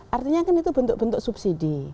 artinya kan itu bentuk bentuk subsidi